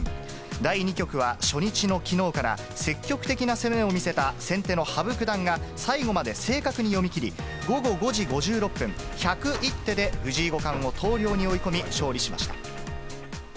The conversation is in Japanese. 第２局は、初日のきのうから、積極的な攻めを見せた先手の羽生九段が最後まで正確に読み切り、午後５時５６分、１０１手で藤井五冠を投了に追い込み、勝利しました。